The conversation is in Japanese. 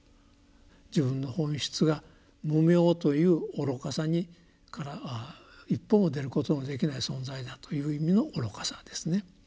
自分の本質が無明という愚かさから一歩も出ることのできない存在だという意味の愚かさですね。